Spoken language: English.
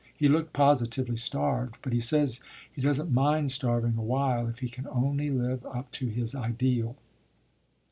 He looked positively starved, but he says he doesn't mind starving a while if he can only live up to his ideal."